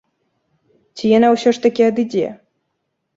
Ці яна ўсё ж такі адыдзе?